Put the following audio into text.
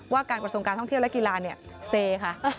การกระทรวงการท่องเที่ยวและกีฬาเนี่ยเซค่ะ